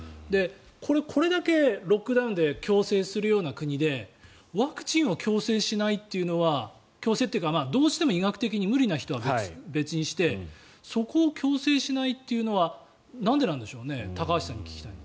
これだけロックダウンで強制するような国でワクチンを強制しないというのは強制というかどうしても医学的に無理な人は別にしてそこを強制しないというのはなんでなんでしょうね高橋さんに聞きたい。